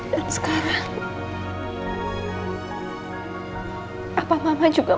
sampai kamu bisa ada disini